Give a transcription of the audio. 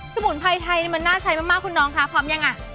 สมุนไพรไทยมันน่าใช้มากคุณน้องคะพร้อมยังอ่ะ